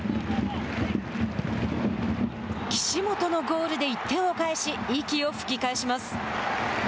岸本のゴールで１点を返し息を吹き返します。